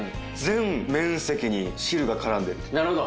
なるほど！